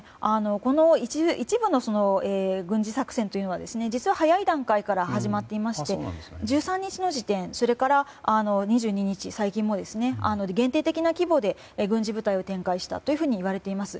一部の軍事作戦は実は早い段階から始まっていまして１３日の時点それから２２日、最近も限定的な規模で軍事部隊を展開したといわれています。